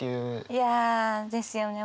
いやですよね。